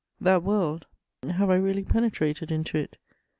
That world, have I really penetrated into it?